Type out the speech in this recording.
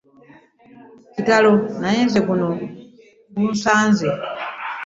Kitalo naye nze guno gunsaze .